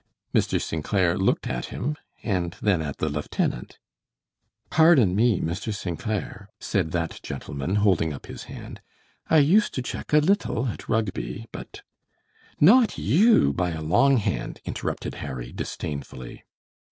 Mr. St. Clair looked at him and then at the lieutenant. "Pardon me, Mr. St. Clair," said that gentleman, holding up his hand. "I used to check a little at Rugby, but " "Not you, by a long hand," interrupted Harry, disdainfully.